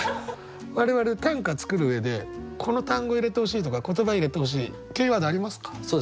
我々短歌作る上でこの単語入れてほしいとか言葉入れてほしいキーワードありますか？